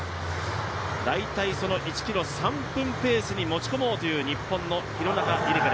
大体、１ｋｍ３分ペースに持ち込もうという日本の廣中璃梨佳。